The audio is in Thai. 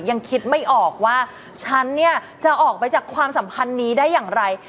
ยังคิดไม่ออกว่าฉันเนี่ยจะออกไปจากความสัมพันธ์นี้ได้อย่างไร